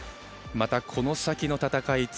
また、この先の戦い